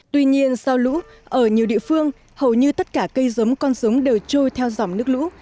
tuy nhiên sau lũ ở nhiều địa phương hầu như tất cả cây giống con giống đều trôi theo dòng nước lũ